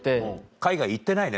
海外行ってないね